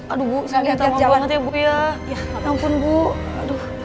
aduh bu saya minta maaf banget ya bu